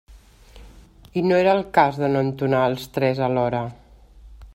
I no era el cas de no entonar els tres alhora.